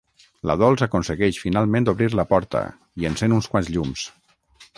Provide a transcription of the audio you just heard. La Dols aconsegueix finalment obrir la porta i encén uns quants llums.